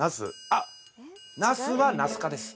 あっナスはナス科です。